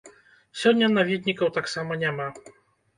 Сёння наведнікаў таксама няма.